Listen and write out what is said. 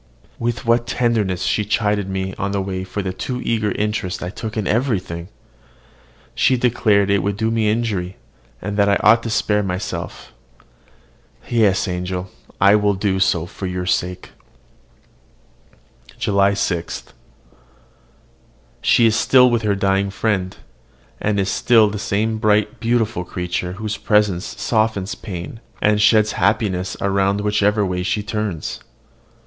With what tenderness she chid me on the way for the too eager interest I took in everything! She declared it would do me injury, and that I ought to spare myself. Yes, my angel! I will do so for your sake. JULY 6. She is still with her dying friend, and is still the same bright, beautiful creature whose presence softens pain, and sheds happiness around whichever way she turns.